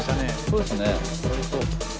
そうですね。